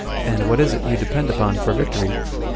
And what is it you depend upon for victory?